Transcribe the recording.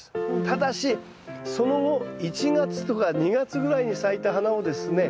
ただしその後１月とか２月ぐらいに咲いた花をですね